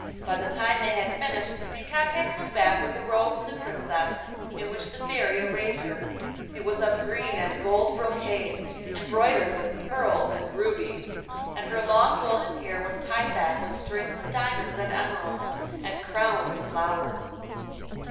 By the time they had finished the peacock had come back with a robe for the Princess, in which the Fairy arrayed her. It was of green and gold brocade, embroidered with pearls and rubies, and her long golden hair was tied back with strings of diamonds and emeralds, and crowned with flowers.